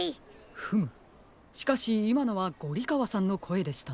フムしかしいまのはゴリかわさんのこえでしたね。